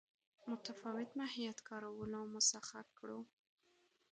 متفاوت ماهیت کارولو مسخه کړو.